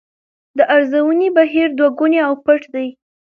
د ارزونې بهیر دوه ګونی او پټ دی.